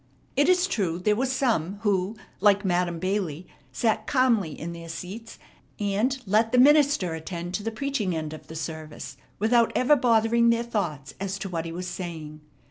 It is true there were some who, like Madam Bailey sat calmly in their seats, and let the minister attend to the preaching end of the service without ever bothering their thoughts as to what he was saying.